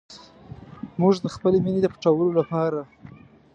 موږ د خپلې مینې د پټولو لپاره.